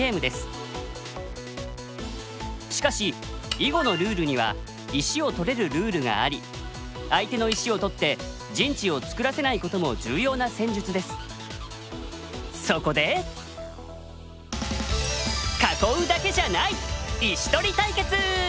しかし囲碁のルールには石を取れるルールがあり相手の石を取って陣地を作らせないことも重要な戦術です。